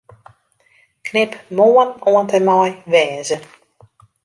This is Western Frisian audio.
Knip 'Moarn' oant en mei 'wêze'.